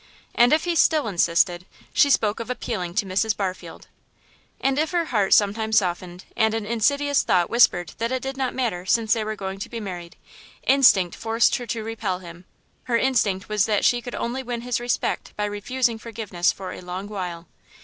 And if he still insisted, she spoke of appealing to Mrs. Barfield. And if her heart sometimes softened, and an insidious thought whispered that it did not matter since they were going to be married, instinct forced her to repel him; her instinct was that she could only win his respect by refusing forgiveness for a long while.